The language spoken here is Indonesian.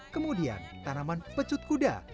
kemudian tanaman pecut kuda